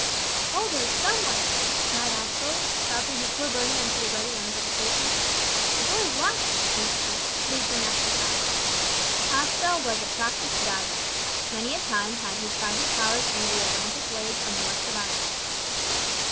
"Hold her, some one!" cried Aspel, dropping his poor burden into the ready arms of a policeman. "The boy's lost!" he exclaimed, leaping after Pax. Aspel was a practised diver. Many a time had he tried his powers under the Atlantic waves on the west of Ireland.